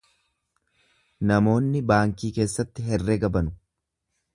Namoonni baankii keessatti herrega banu.